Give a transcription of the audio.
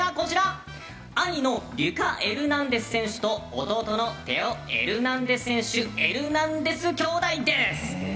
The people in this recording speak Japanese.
兄のリュカ・エルナンデス選手と弟のテオ・エルナンデス選手エルナンデス兄弟です！